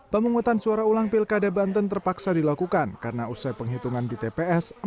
pemungutan suara ulang pilkada banten terpaksa dilakukan karena usai penghitungan di tps